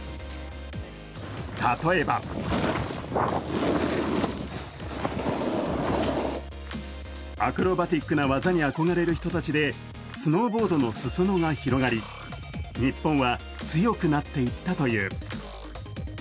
例えばアクロバティックな技に憧れる人たちでスノーボードのすそ野が広がり、日本は強くなっていったという。